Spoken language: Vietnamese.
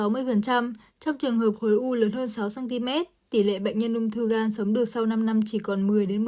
trong trường hợp khối u lớn hơn sáu cm tỷ lệ bệnh nhân ung thư gan sớm được sau năm năm chỉ còn một mươi một mươi